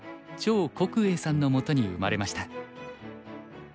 趙国栄さんのもとに生まれました。